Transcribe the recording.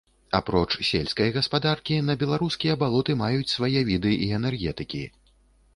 Апроч сельскай гаспадаркі на беларускія балоты маюць свае віды і энергетыкі.